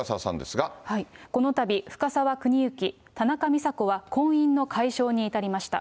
このたび深沢邦之、田中美佐子は婚姻の解消に至りました。